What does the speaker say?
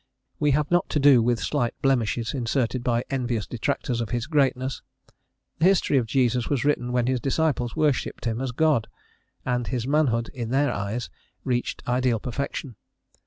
We have not to do with slight blemishes, inserted by envious detractors of his greatness; the history of Jesus was written when his disciples worshipped him as God, and his manhood, in their eyes, reached ideal perfection.